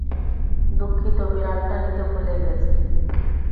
দুঃখিত, বিড়ালটা নিতে ভুলে গেছি।